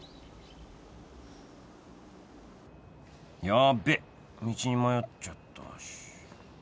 ヤベッ道に迷っちゃったし